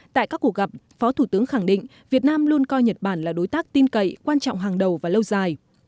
tại các cuộc gặp phó thủ tướng khẳng định việt nam luôn coi nhật bản là đối tác tin cậy quan trọng hàng đầu và lâu dài